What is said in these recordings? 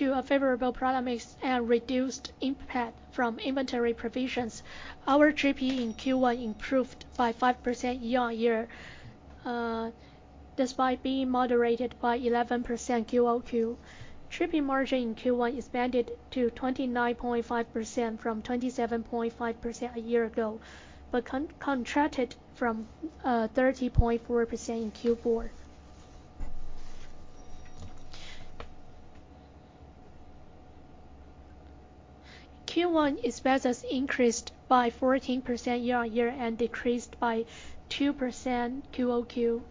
Thanks to a favorable product mix and reduced impact from inventory provisions, our GP in Q1 improved by 5% year-on-year, despite being moderated by 11% QoQ. GP margin in Q1 expanded to 29.5% from 27.5% a year ago, but contracted from 30.4% in Q4. Q1 expense increased by 14% year-on-year, and decreased by 2% QoQ.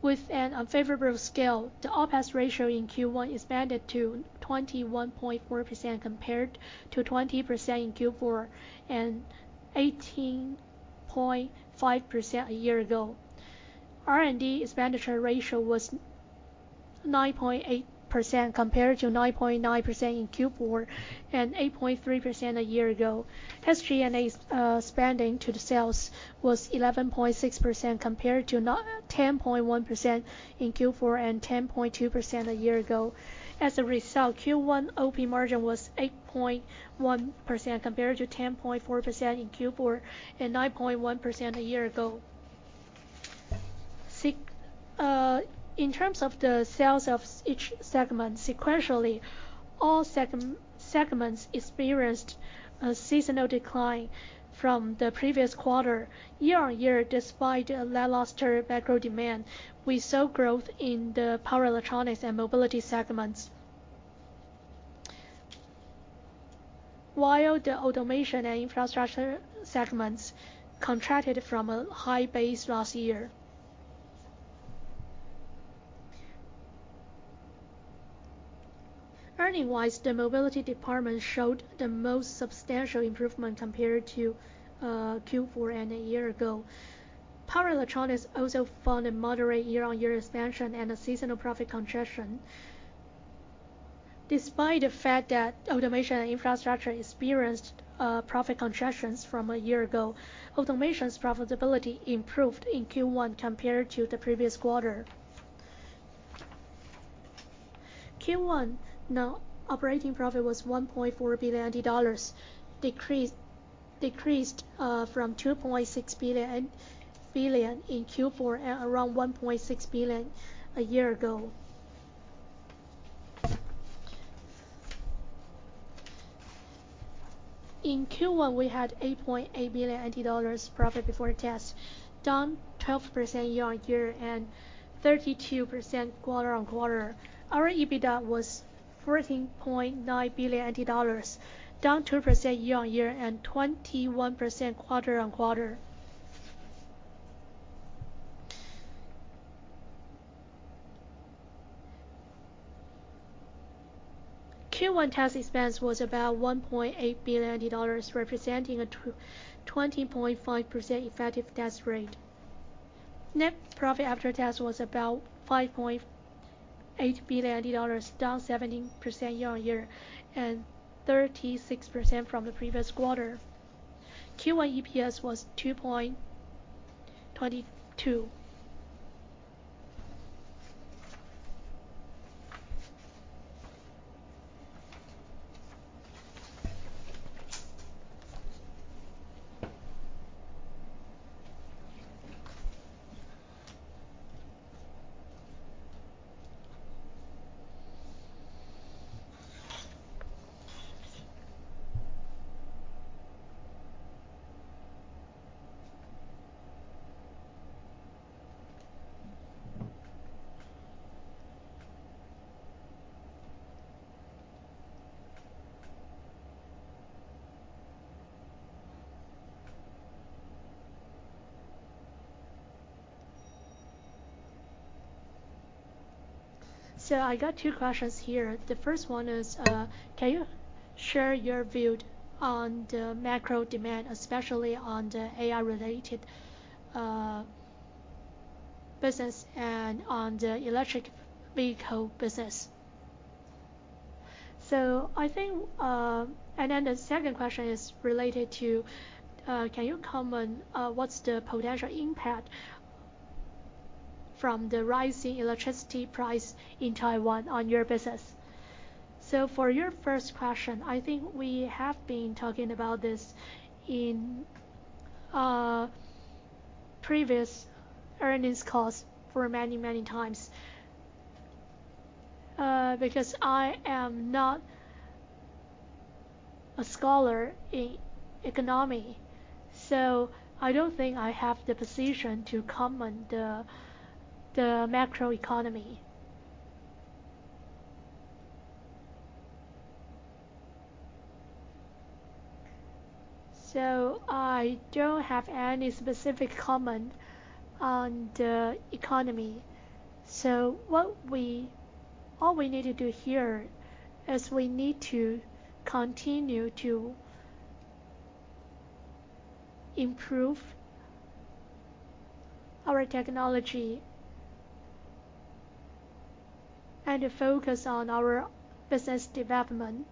With an unfavorable scale, the OpEx ratio in Q1 expanded to 21.4%, compared to 20% in Q4, and 18.5% a year ago. R&D expenditure ratio was 9.8%, compared to 9.9% in Q4, and 8.3% a year ago. SG&A spending to the sales was 11.6%, compared to 10.1% in Q4, and 10.2% a year ago. As a result, Q1 OP margin was 8.1%, compared to 10.4% in Q4, and 9.1% a year ago. In terms of the sales of each segment, sequentially, all segments experienced a seasonal decline from the previous quarter. Year-on-year, despite a lackluster macro demand, we saw growth in the Power Electronics and Mobility segments. While the Automation and Infrastructure segments contracted from a high base last year. Earnings-wise, the Mobility department showed the most substantial improvement compared to Q4 and a year ago. Power Electronics also found a moderate year-on-year expansion and a seasonal profit contraction. Despite the fact that Automation and Infrastructure experienced profit contractions from a year ago, Automation's profitability improved in Q1 compared to the previous quarter. Q1, now, operating profit was 1.4 billion dollars, decreased from 2.6 billion in Q4, and around 1.6 billion a year ago. In Q1, we had 8.8 billion profit before tax, down 12% year-on-year, and 32% quarter-on-quarter. Our EBITDA was 14.9 billion dollars, down 2% year-on-year, and 21% quarter-on-quarter. Q1 tax expense was about 1.8 billion dollars, representing a 20.5% effective tax rate. Net profit after tax was about 5.8 billion dollars, down 17% year-on-year, and 36% from the previous quarter. Q1 EPS was 2.22. I got two questions here. The first one is, can you share your view on the macro demand, especially on the AI-related business and on the electric vehicle business? I think, and then the second question is related to, can you comment, what's the potential impact from the rising electricity price in Taiwan on your business? For your first question, I think we have been talking about this in previous earnings calls for many, many times. Because I am not a scholar in economy, so I don't think I have the position to comment the macro economy. I don't have any specific comment on the economy. What all we need to do here is we need to continue to improve our technology, and focus on our business development.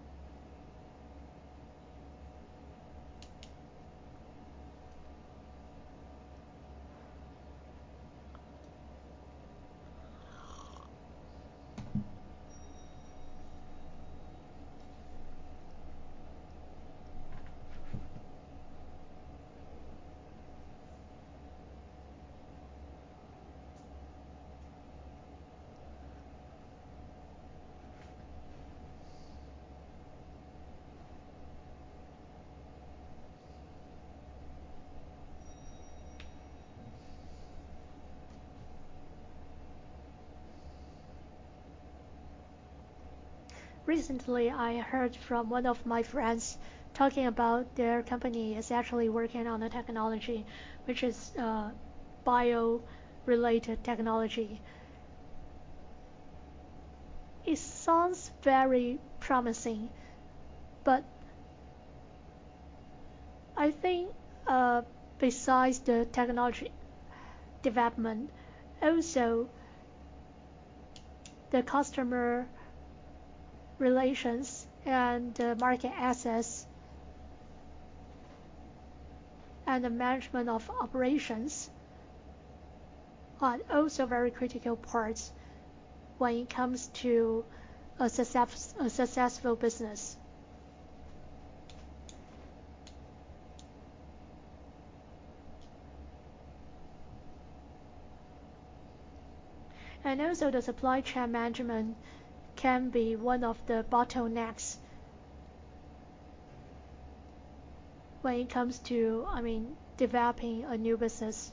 Recently, I heard from one of my friends talking about their company is actually working on a technology which is bio-related technology. It sounds very promising, but I think besides the technology development, also the customer relations and market access, and the management of operations are also very critical parts when it comes to a successful business. Also, the supply chain management can be one of the bottlenecks when it comes to, I mean, developing a new business.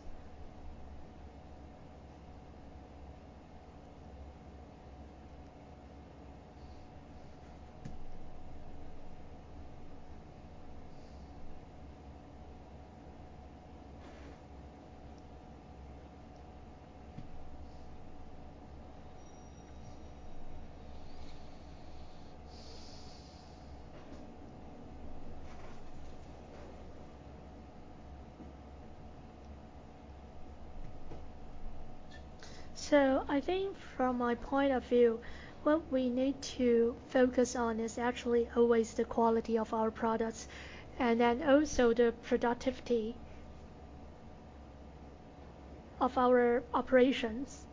I think from my point of view, what we need to focus on is actually always the quality of our products, and then also the productivity of our operations.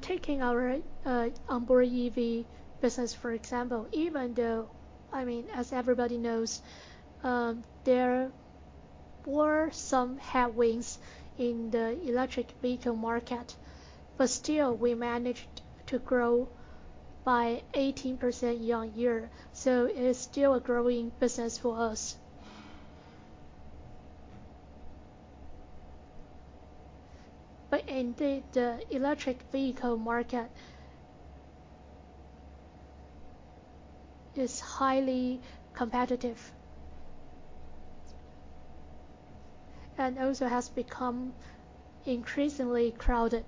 Taking our onboard EV business, for example, even though, I mean, as everybody knows, there were some headwinds in the electric vehicle market, but still we managed to grow by 18% year-on-year, so it is still a growing business for us. But indeed, the electric vehicle market is highly competitive, and also has become increasingly crowded.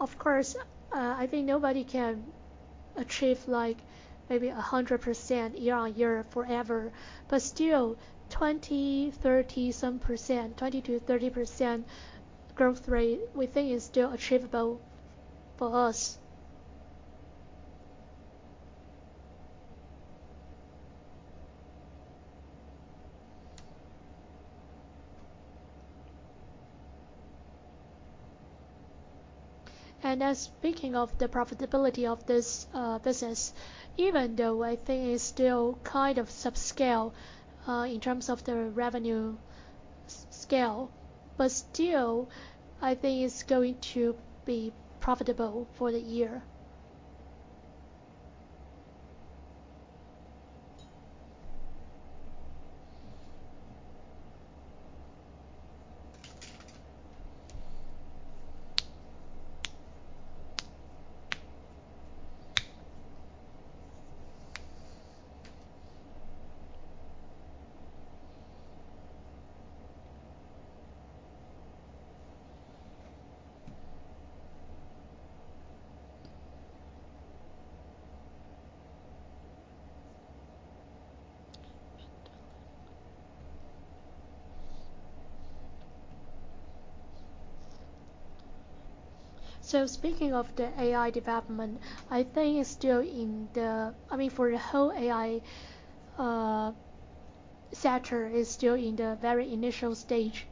Of course, I think nobody can achieve like maybe 100% year-on-year forever, but still 20%, 30-some %, 20%-30% growth rate, we think is still achievable for us. Then speaking of the profitability of this business, even though I think it's still kind of subscale, in terms of the revenue scale, but still, I think it's going to be profitable for the year. Speaking of the AI development, I think it's still in the, I mean, for the whole AI sector, is still in the very initial stage.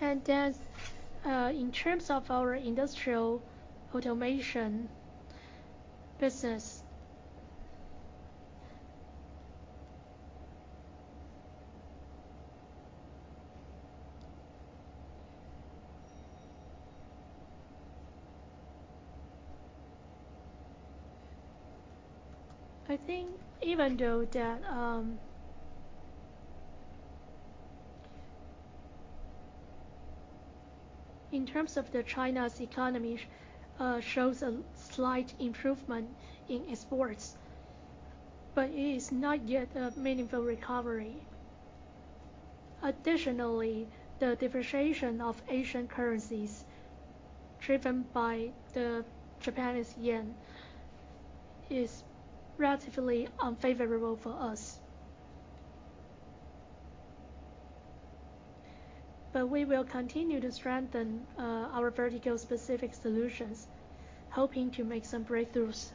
Then, in terms of our Industrial Automation business, I think even though that, in terms of China's economy, shows a slight improvement in exports, but it is not yet a meaningful recovery. Additionally, the depreciation of Asian currencies, driven by the Japanese yen, is relatively unfavorable for us. We will continue to strengthen, our vertical specific solutions, hoping to make some breakthroughs.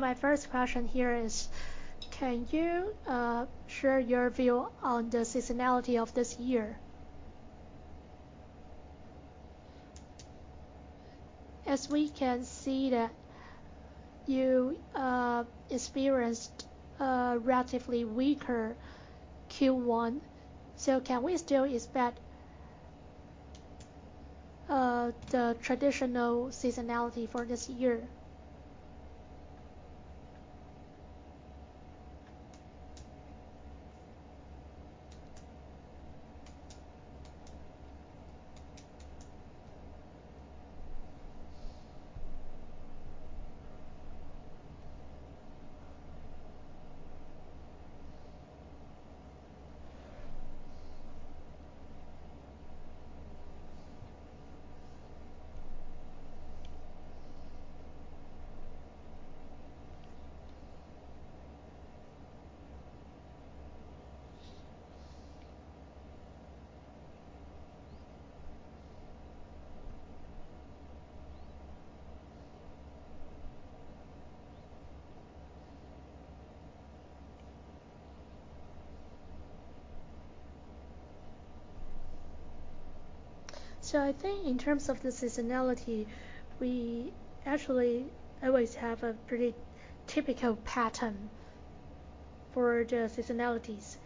My first question here is: Can you, share your view on the seasonality of this year? As we can see that you, experienced a relatively weaker Q1, so can we still expect, the traditional seasonality for this year? I think in terms of the seasonality, we actually always have a pretty typical pattern for the seasonalities.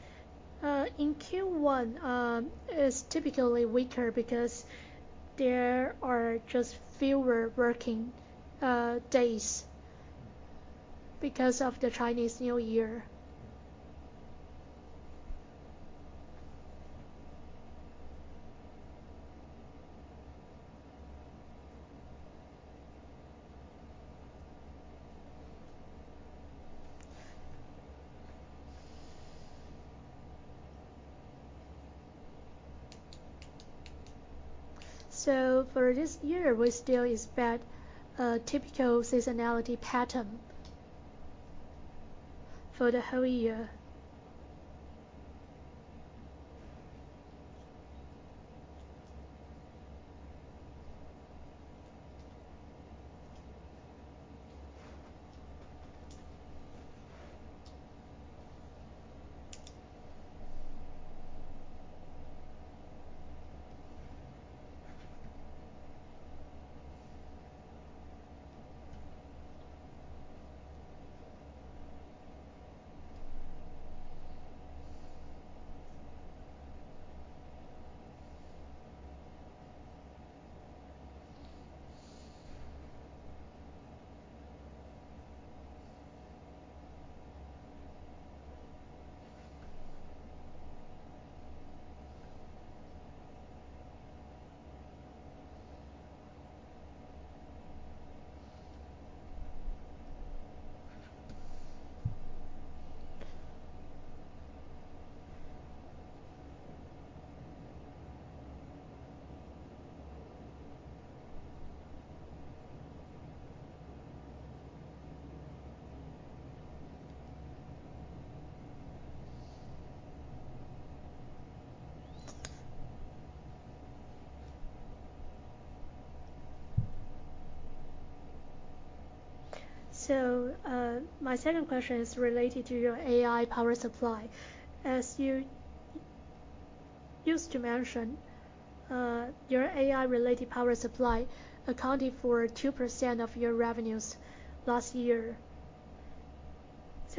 In Q1, it's typically weaker because there are just fewer working days because of the Chinese New Year. For this year, we still expect a typical seasonality pattern for the whole year. My second question is related to your AI power supply. As you used to mention, your AI related power supply accounted for 2% of your revenues last year.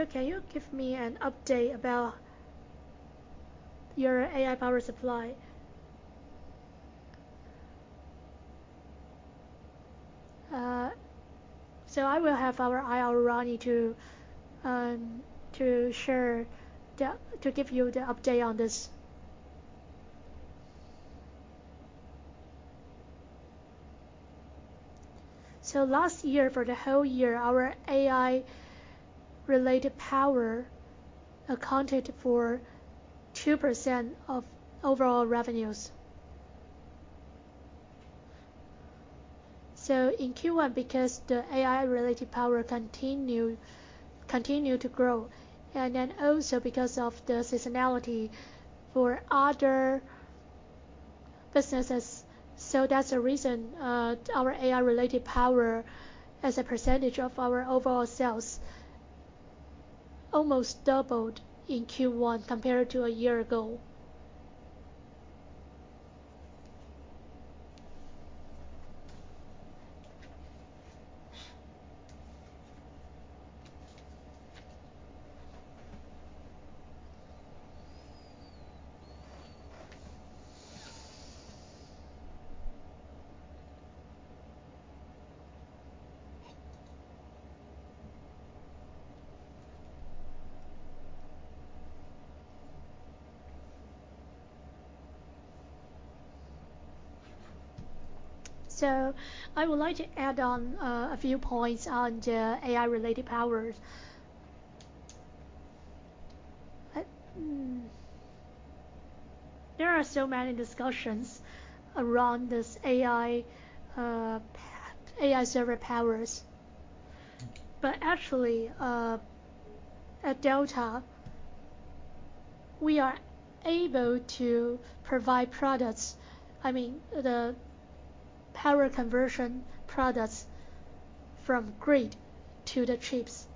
Can you give me an update about your AI power supply? I will have our IR, Rodney, to give you the update on this. Last year, for the whole year, our AI related power accounted for 2% of overall revenues. In Q1, because the AI related power continued to grow, and then also because of the seasonality for other businesses. That's the reason, our AI related power, as a percentage of our overall sales, almost doubled in Q1 compared to a year ago. I would like to add on, a few points on the AI related powers. There are so many discussions around this AI, AI server powers. Actually, at Delta, we are able to provide products, I mean, the power conversion products from grid to the chips.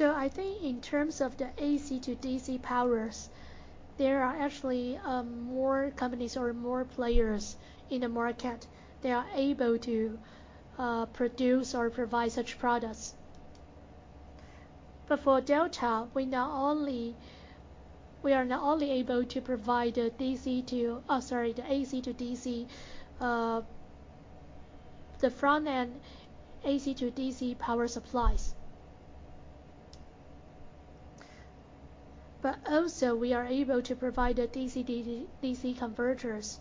I think in terms of the AC to DC powers, there are actually, more companies or more players in the market. They are able to, produce or provide such products. For Delta, we are not only able to provide the AC to DC, the front-end AC to DC power supplies. Also we are able to provide the DC-DC converters.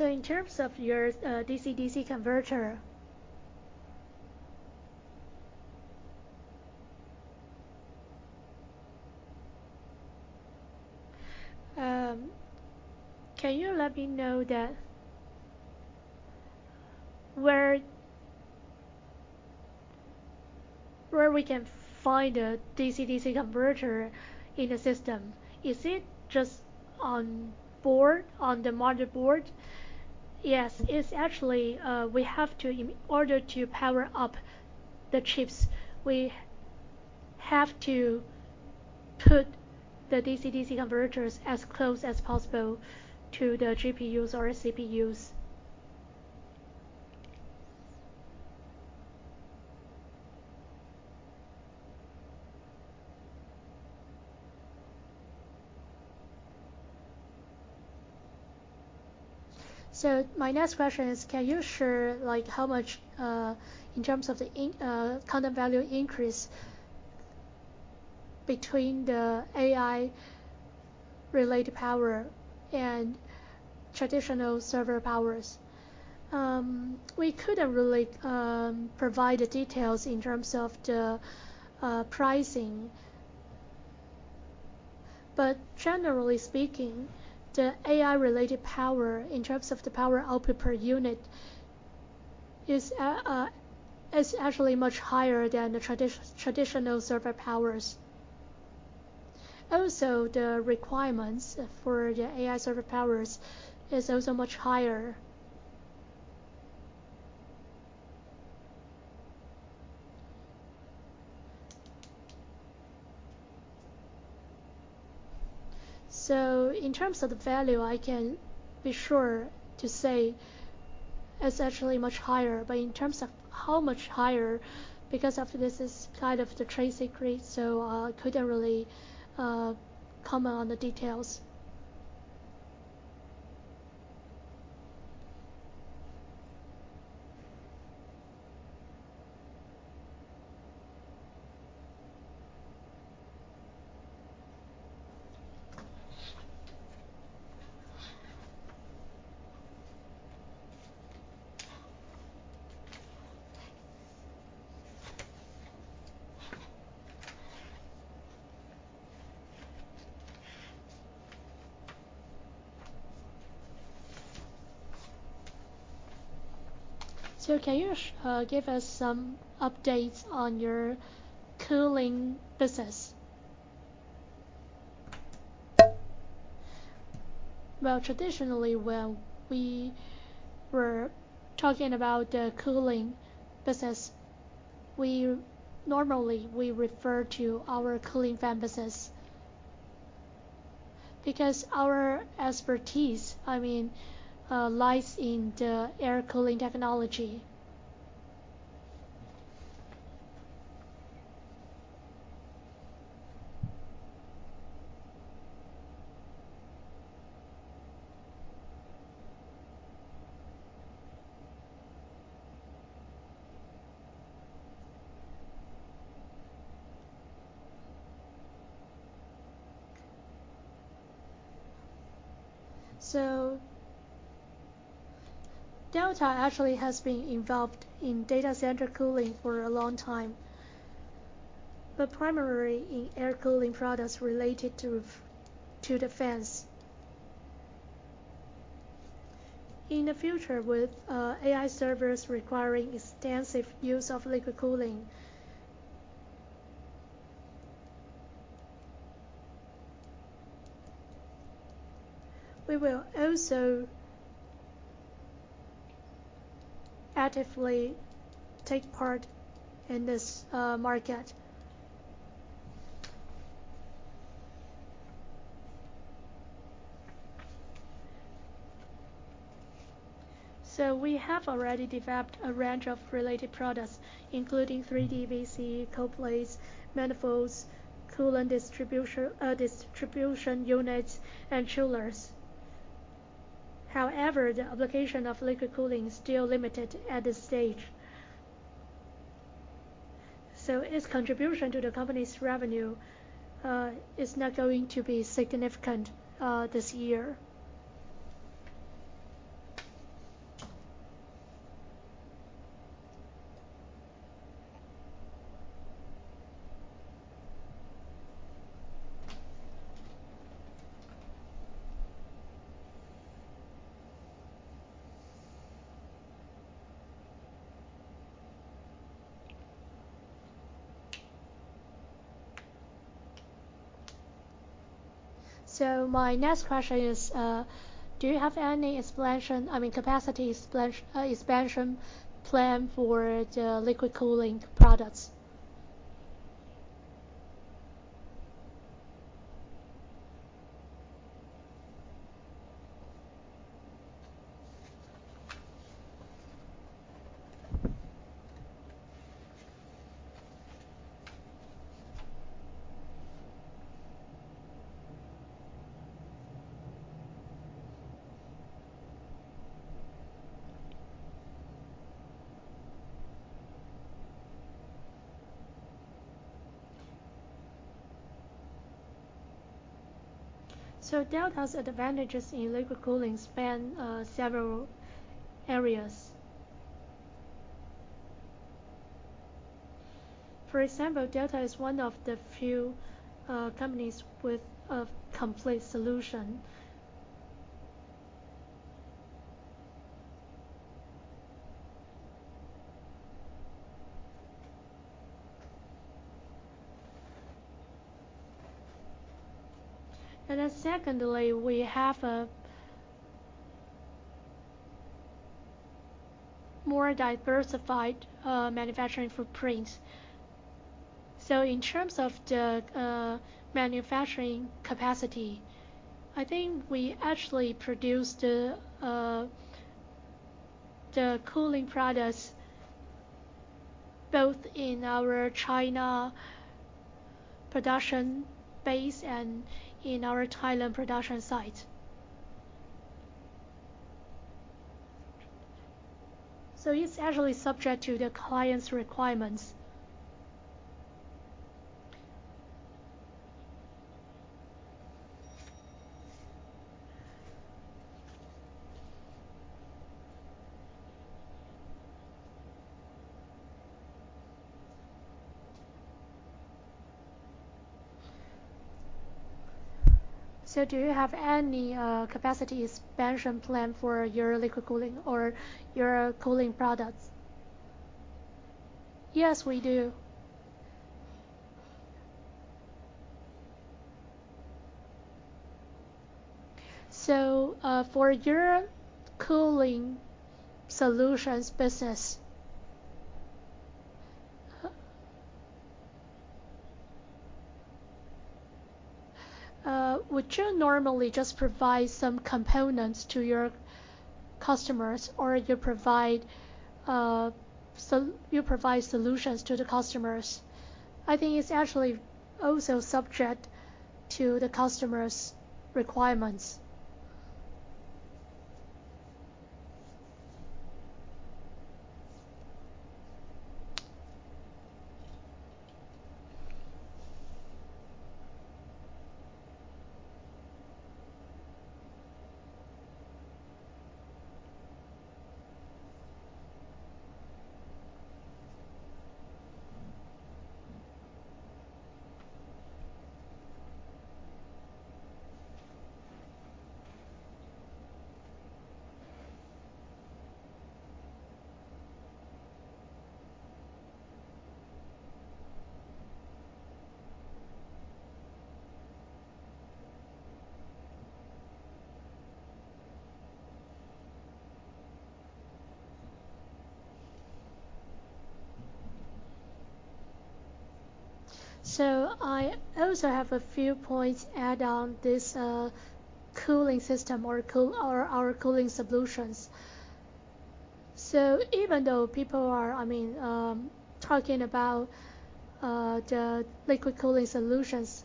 In terms of your DC-DC converter, can you let me know where, where we can find a DC-DC converter in the system? Is it just onboard, on the motherboard? Yes, it's actually, we have to in order to power up the chips, we have to put the DC-DC converters as close as possible to the GPUs or CPUs. My next question is: can you share, like, how much in terms of the current and value increase between the AI-related power and traditional server powers? We couldn't really provide the details in terms of the pricing. Generally speaking, the AI-related power, in terms of the power output per unit, is actually much higher than the traditional server powers. Also, the requirements for the AI server powers is also much higher. In terms of the value, I can be sure to say it's actually much higher. In terms of how much higher, because of this is kind of the trade secret, so I couldn't really comment on the details. So can you give us some updates on your cooling business? Well, traditionally, when we were talking about the cooling business, we normally refer to our cooling fan business. Because our expertise, I mean, lies in the air cooling technology. Delta actually has been involved in data center cooling for a long time, but primarily in air cooling products related to the fans. In the future, with AI servers requiring extensive use of liquid cooling, we will also actively take part in this market. We have already developed a range of related products, including 3D VC, cold plates, manifolds, coolant distribution units, and chillers. However, the application of liquid cooling is still limited at this stage. Its contribution to the company's revenue is not going to be significant this year. My next question is, do you have any expansion, I mean, capacity expansion plan for the liquid cooling products? Delta's advantages in liquid cooling span several areas. For example, Delta is one of the few companies with a complete solution. Then secondly, we have a more diversified manufacturing footprints. In terms of the manufacturing capacity, I think we actually produce the cooling products both in our China production base and in our Thailand production site. It's actually subject to the client's requirements. Do you have any capacity expansion plan for your liquid cooling or your cooling products? Yes, we do. For your cooling solutions business, would you normally just provide some components to your customers, or you provide you provide solutions to the customers? I think it's actually also subject to the customer's requirements. I also have a few points to add on this, cooling system or our cooling solutions. Even though people are, I mean, talking about the liquid cooling solutions,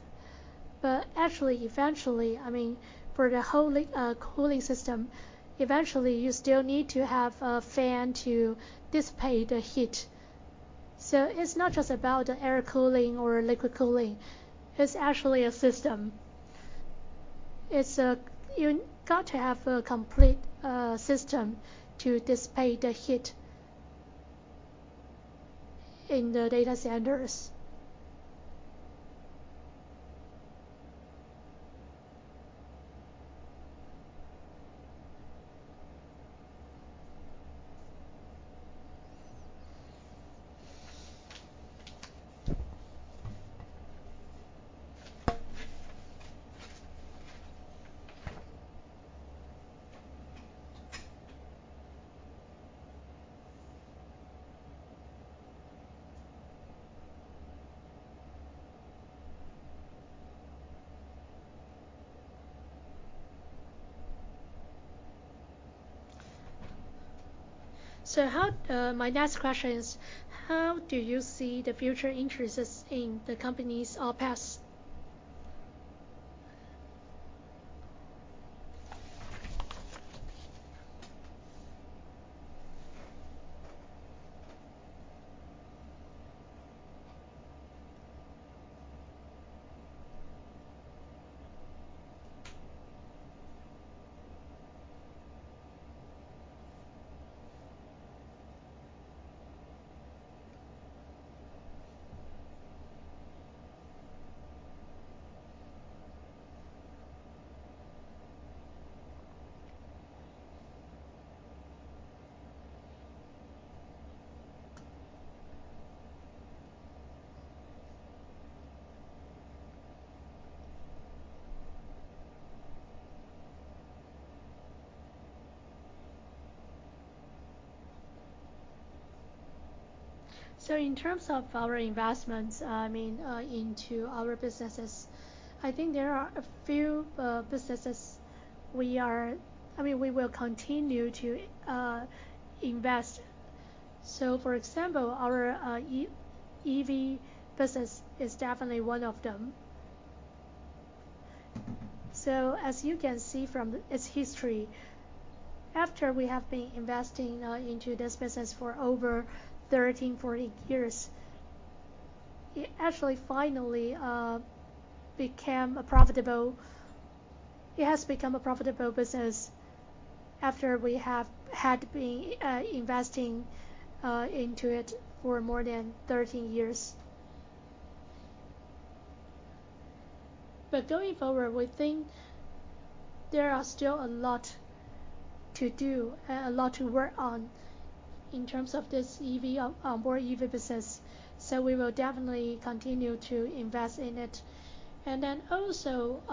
but actually, eventually, I mean, for the whole cooling system, eventually you still need to have a fan to dissipate the heat. It's not just about the air cooling or liquid cooling, it's actually a system. It's you've got to have a complete system to dissipate the heat in the data centers. My next question is: How do you see the future interests in the company's CapEx? In terms of our investments, I mean, into our businesses, I think there are a few businesses. I mean, we will continue to invest. For example, our EV business is definitely one of them. As you can see from its history, after we have been investing into this business for over 13, 14 years, it actually finally became a profitable. It has become a profitable business after we have had been investing into it for more than 13 years. But going forward, we think there are still a lot to do and a lot to work on in terms of this EV, onboard EV business, so we will definitely continue to invest in it. Then also,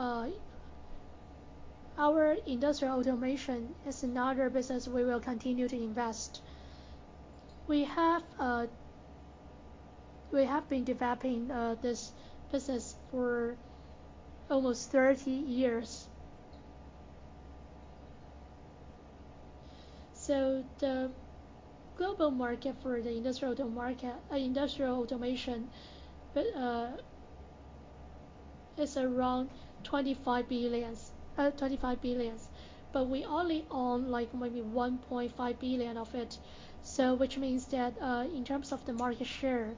our Industrial Automation is another business we will continue to invest. We have been developing this business for almost 30 years. The global market for Industrial Automation is around $25 billion, but we only own, like, maybe $1.5 billion of it. Which means that, in terms of the market share,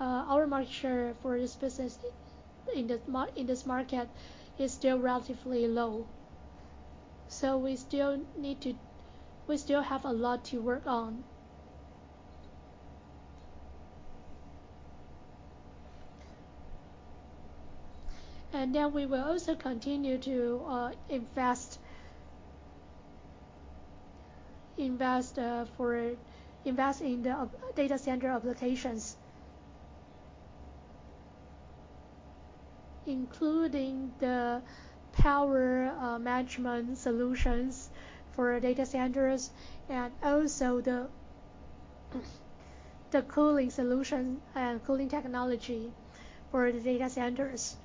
our market share for this business in this market is still relatively low. We still need to. We still have a lot to work on. Then we will also continue to invest in data center applications. Including the power management solutions for data centers, and also the cooling solution and cooling technology for the data centers.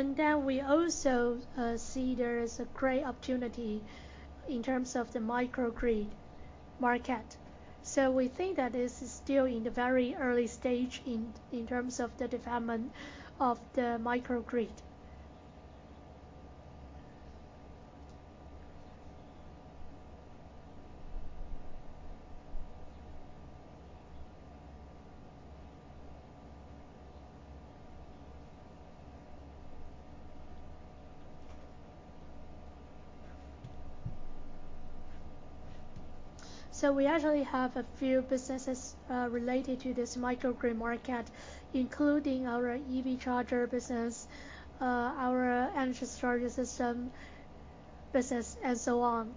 Then we also see there is a great opportunity in terms of the microgrid market. We think that is still in the very early stage in terms of the development of the microgrid. We actually have a few businesses related to this microgrid market, including our EV charger business, our energy storage system business, and so on.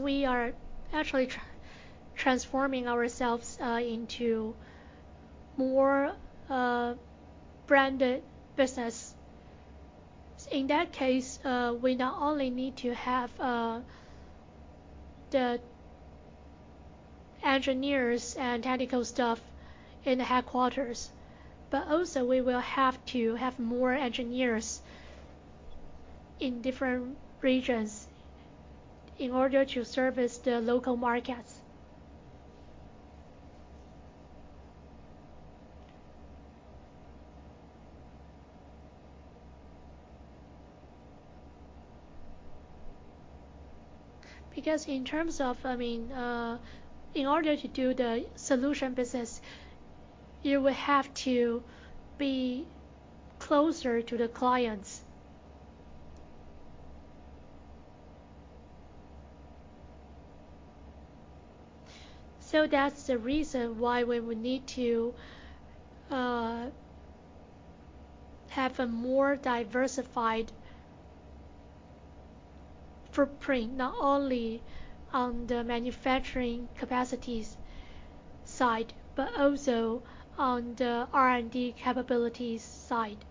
As we are actually transforming ourselves into more branded business. In that case, we not only need to have the engineers and technical staff in the headquarters, but also we will have to have more engineers in different regions in order to service the local markets. Because in terms of, I mean, in order to do the solution business, you will have to be closer to the clients. That's the reason why we would need to have a more diversified footprint, not only on the manufacturing capacities side, but also on the R&D capabilities side.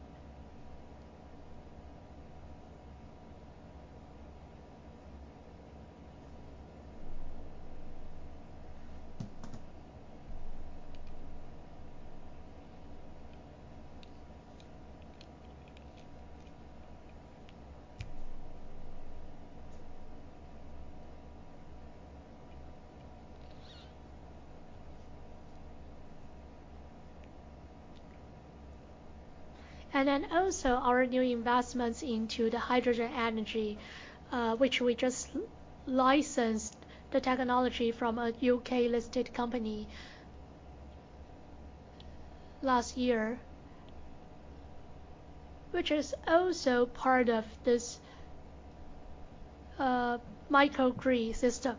Then also our new investments into the hydrogen energy, which we just licensed the technology from a U.K.-listed company last year, which is also part of this microgrid system.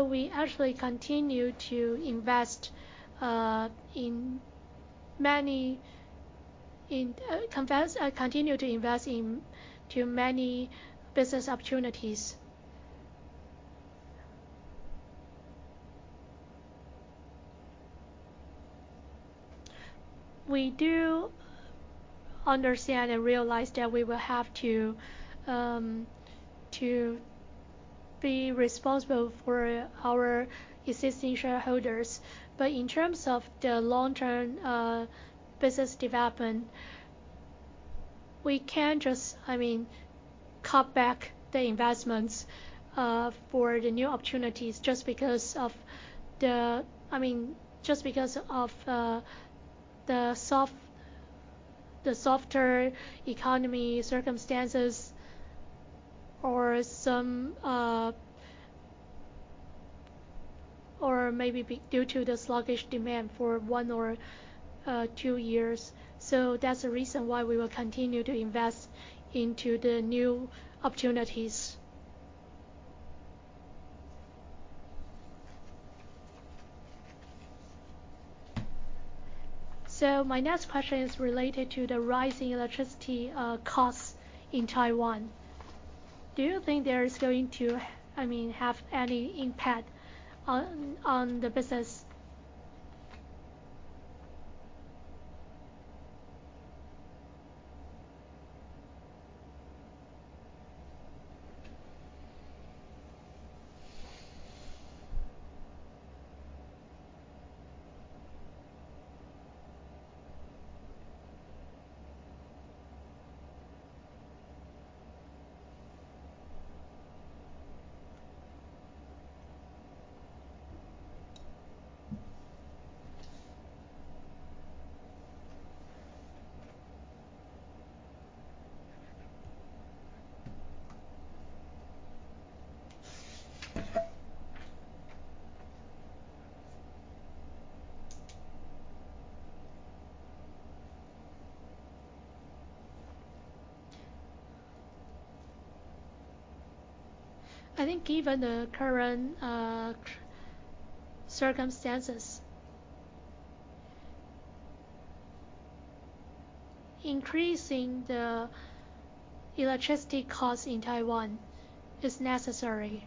We actually continue to invest into many business opportunities. We do understand and realize that we will have to be responsible for our existing shareholders. In terms of the long-term business development, we can't just, I mean, cut back the investments for the new opportunities, just because of the, I mean, just because of the soft, the softer economy circumstances or some, or maybe be due to the sluggish demand for one or two years. That's the reason why we will continue to invest into the new opportunities. My next question is related to the rising electricity costs in Taiwan. Do you think there is going to, I mean, have any impact on the business? I think given the current circumstances, increasing the electricity cost in Taiwan is necessary.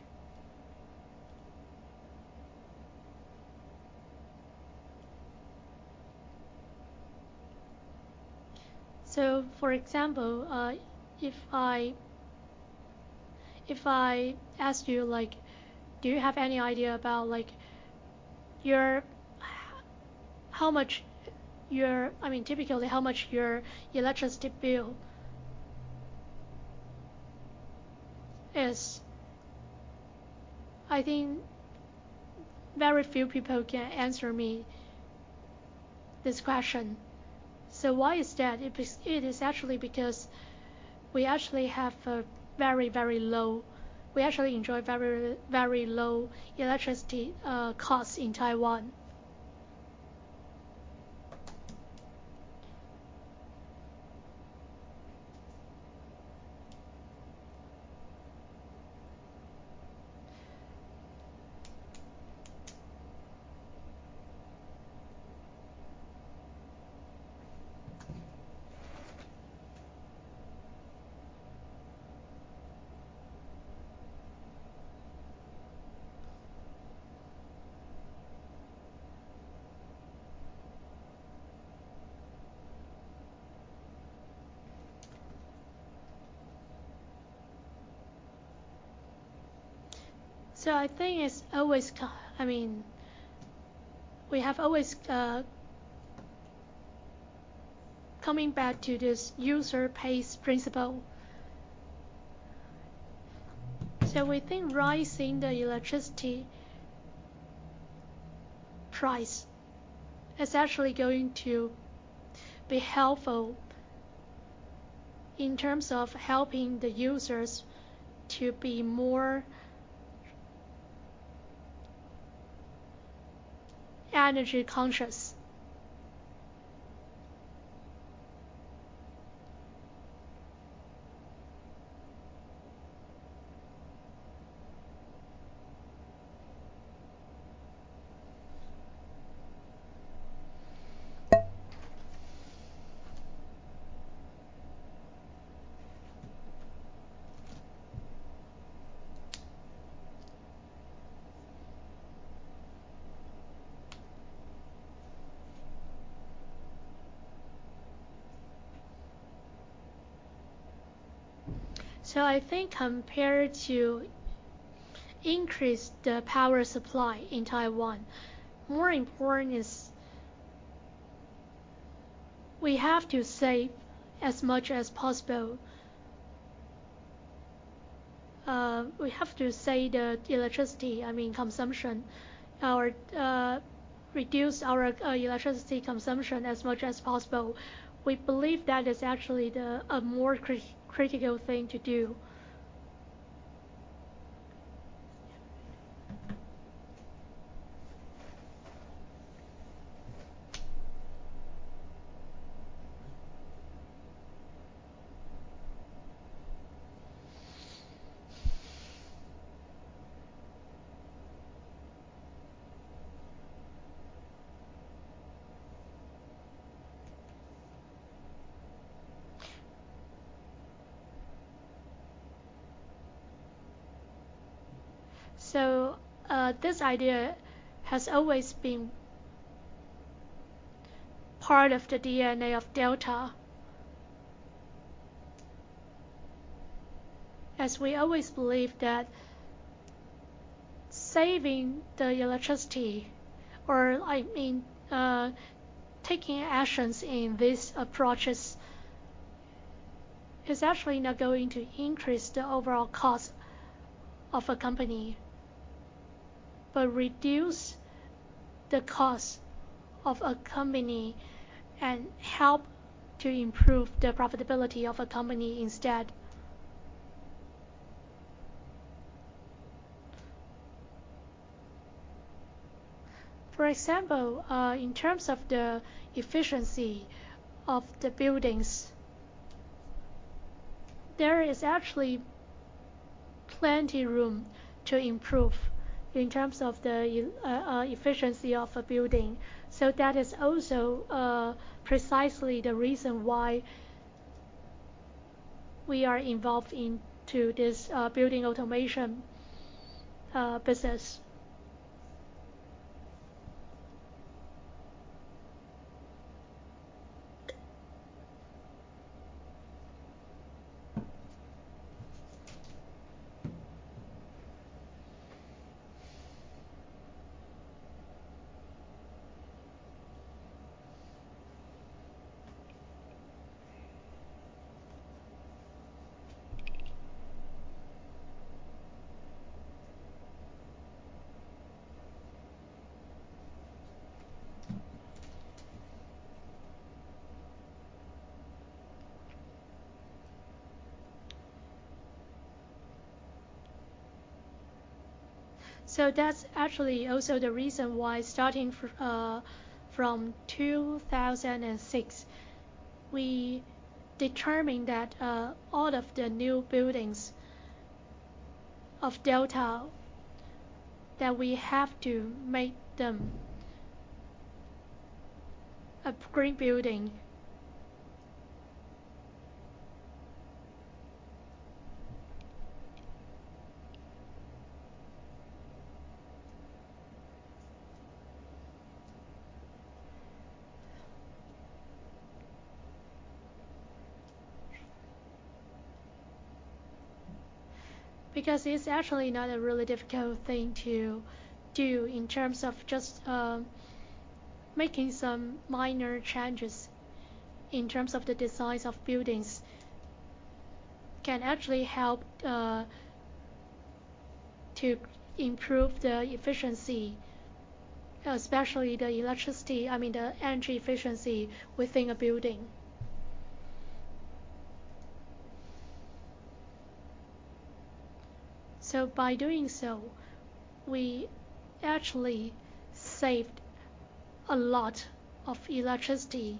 For example, if I ask you, like, do you have any idea about, like, I mean, typically, how much your electricity bill is? I think very few people can answer me this question. Why is that? It is actually because we actually have a very, very low—we actually enjoy very, very low electricity costs in Taiwan. I think it's always, I mean, we have always coming back to this user pays principle. We think rising the electricity price is actually going to be helpful in terms of helping the users to be more energy conscious. I think compared to increase the power supply in Taiwan, more important is we have to save as much as possible. We have to save the electricity, I mean, consumption. Reduce our electricity consumption as much as possible. We believe that is actually the more critical thing to do. This idea has always been part of the DNA of Delta. As we always believe that saving the electricity, or I mean, taking actions in these approaches, is actually not going to increase the overall cost of a company, but reduce the cost of a company and help to improve the profitability of a company instead. For example, in terms of the efficiency of the buildings, there is actually plenty room to improve in terms of the efficiency of a building. That is also precisely the reason why we are involved into this Building Automation business. That's actually also the reason why starting from 2006, we determined that all of the new buildings of Delta, that we have to make them a green building. Because it's actually not a really difficult thing to do in terms of just making some minor changes, in terms of the designs of buildings, can actually help to improve the efficiency, especially the electricity, I mean, the energy efficiency within a building. By doing so, we actually saved a lot of electricity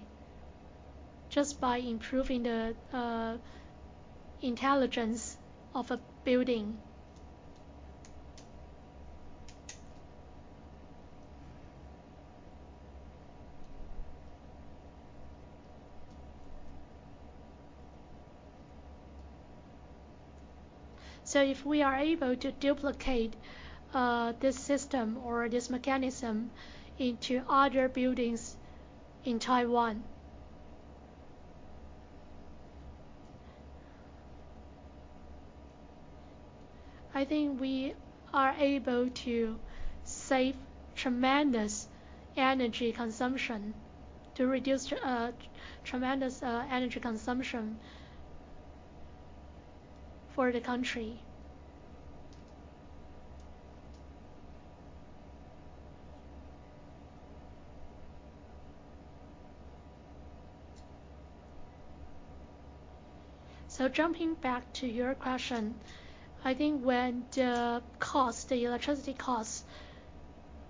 just by improving the intelligence of a building. If we are able to duplicate this system or this mechanism into other buildings in Taiwan, I think we are able to save tremendous energy consumption, to reduce tremendous energy consumption for the country. Jumping back to your question, I think when the cost, the electricity cost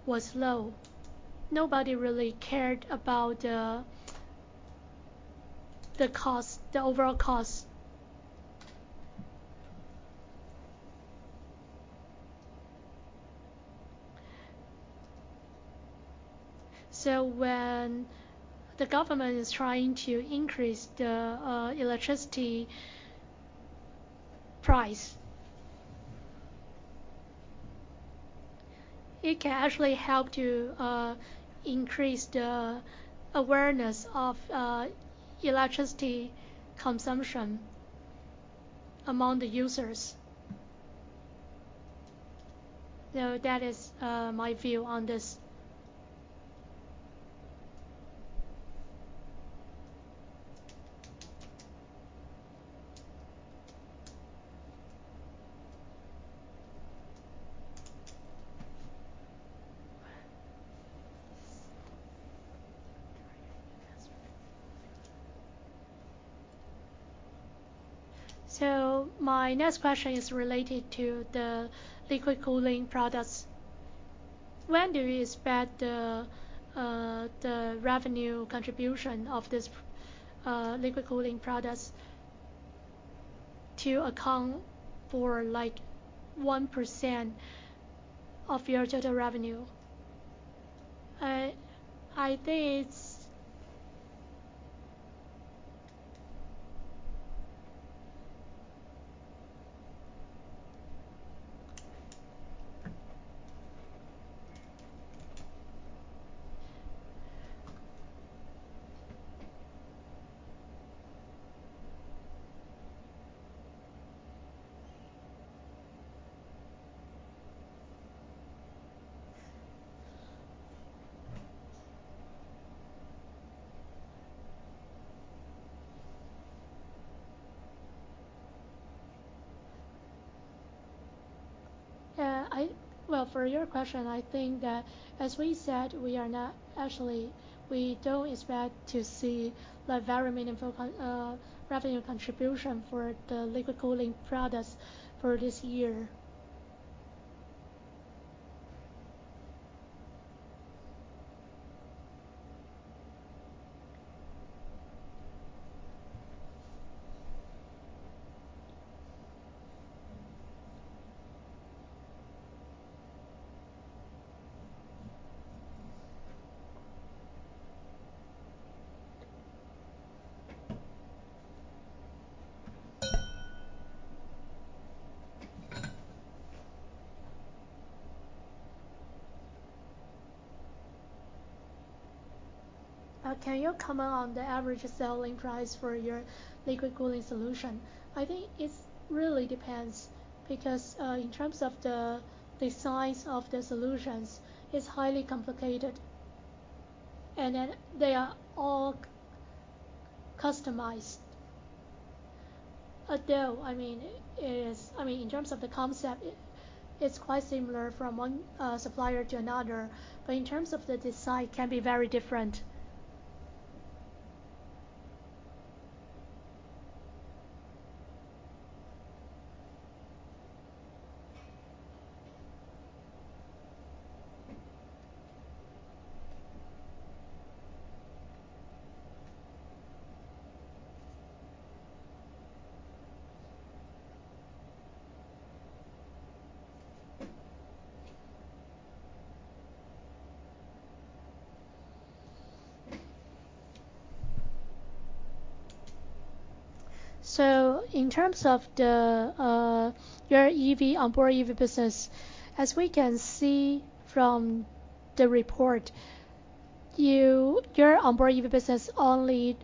was low, nobody really cared about the, the cost, the overall cost. When the government is trying to increase the electricity price, it can actually help to increase the awareness of electricity consumption among the users. That is my view on this. My next question is related to the liquid cooling products. When do you expect the revenue contribution of this liquid cooling products to account for, like, 1% of your total revenue? I think it's, well, for your question, I think that as we said, we are not actually, we don't expect to see a very meaningful revenue contribution for the liquid cooling products for this year. Can you comment on the average selling price for your liquid cooling solution? I think it really depends, because in terms of the size of the solutions, it's highly complicated, and then they are all customized. Although, I mean, it is, I mean, in terms of the concept, it's quite similar from one supplier to another. In terms of the design, can be very different, so in terms of your EV, onboard EV business, as we can see from the report, your onboard EV business only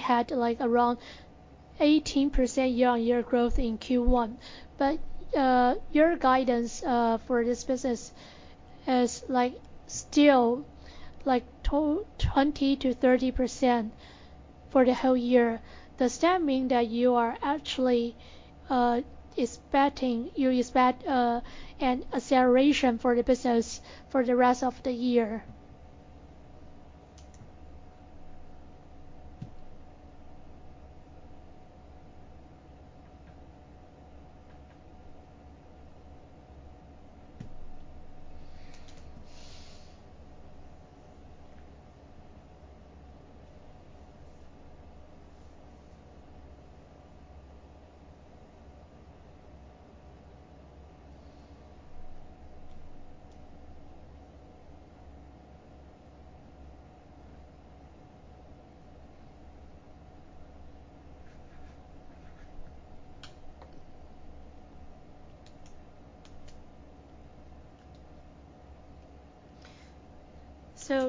had like around 18% year-on-year growth in Q1. Your guidance for this business is like still like 20%-30% for the whole year. Does that mean that you are actually expecting you expect an acceleration for the business for the rest of the year?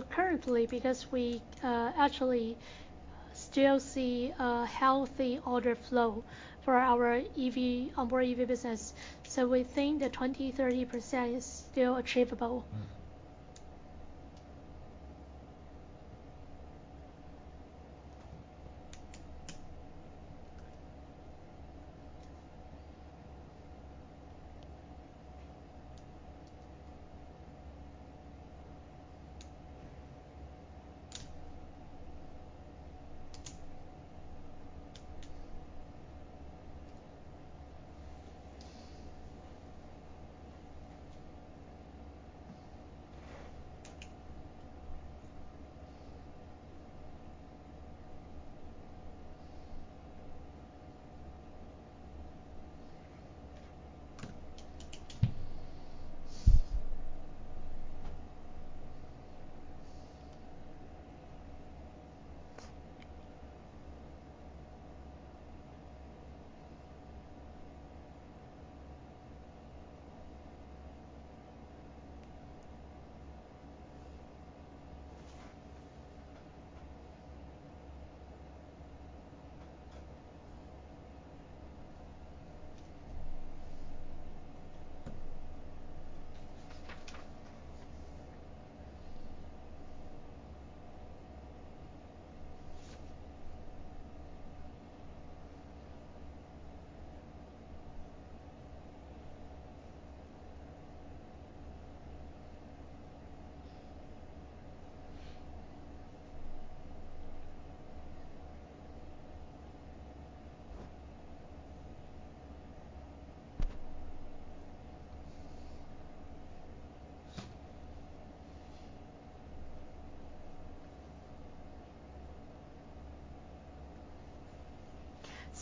Currently, because we actually still see a healthy order flow for our EV, onboard EV business, so we think that 20%-30% is still achievable.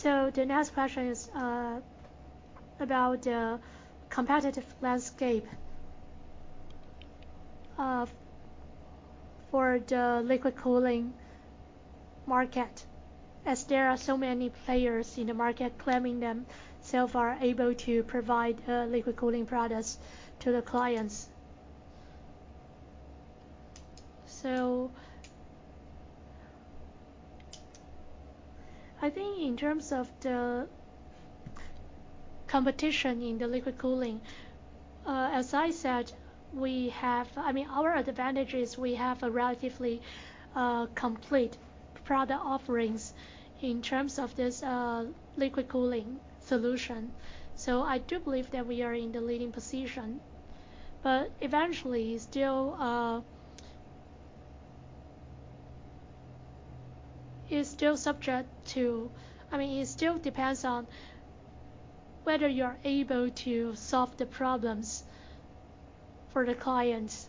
The next question is about the competitive landscape for the liquid cooling market, as there are so many players in the market claiming themselves are able to provide liquid cooling products to the clients. I think in terms of the competition in the liquid cooling, as I said, we have, I mean, our advantage is we have a relatively complete product offerings in terms of this liquid cooling solution. I do believe that we are in the leading position, but eventually, it's still, it's still subject to, I mean, it still depends on whether you're able to solve the problems for the clients.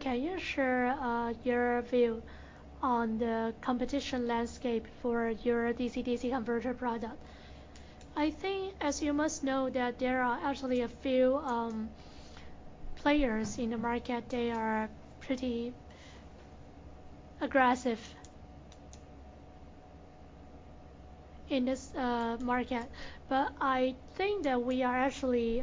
Can you share your view on the competition landscape for your DC-DC converter product? I think, as you must know, that there are actually a few players in the market. They are pretty aggressive in this market, but I think that we are actually.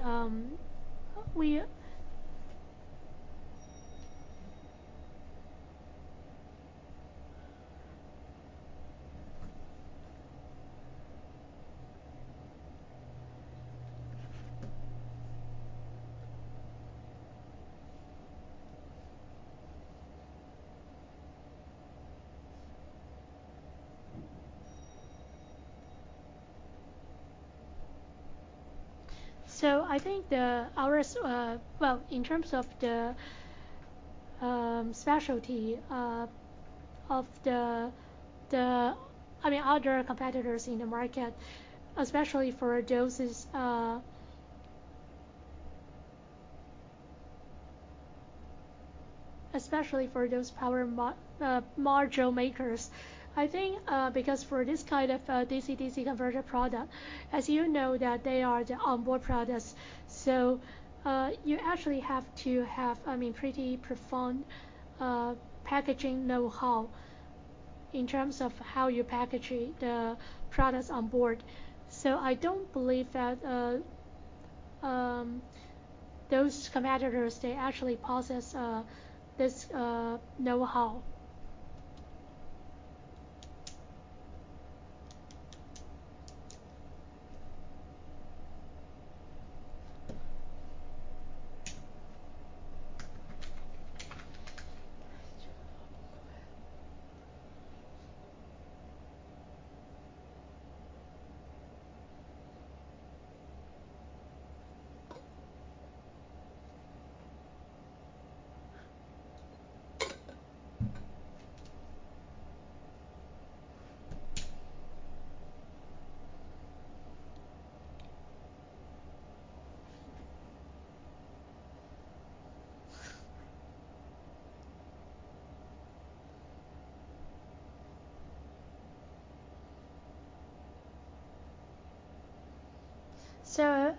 I think ours, well, in terms of the specialty of the, I mean, other competitors in the market, especially for those, especially for those power module makers. I think because for this kind of DC-DC converter product, as you know, that they are the onboard products, so you actually have to have, I mean, pretty profound packaging know-how, in terms of how you package the products on board. I don't believe that those competitors, they actually possess this know-how.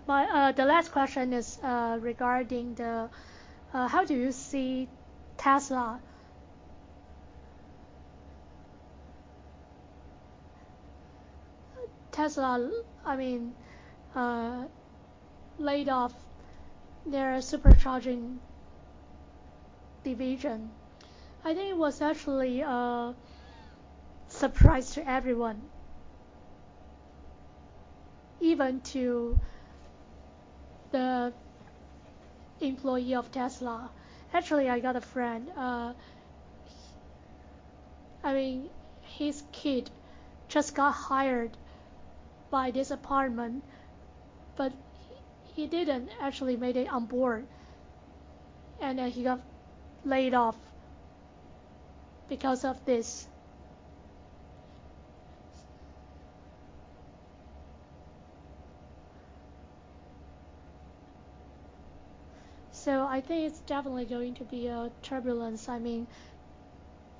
My last question is regarding how you see Tesla? Tesla, I mean, laid off their Supercharging division. I think it was actually a surprise to everyone, even to the employee of Tesla. Actually, I got a friend, I mean, his kid just got hired by this department, but he didn't actually made it on board, and then he got laid off because of this. I think it's definitely going to be a turbulence. I mean-